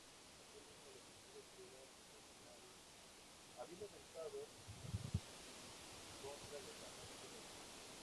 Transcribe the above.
Asimismo, los testigos fueron presionados, habiendo atentados en contra de la mayoría de ellos.